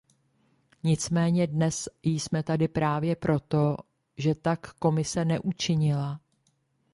Nicméně dnes jsme tady právě proto, že tak Komise neučinila.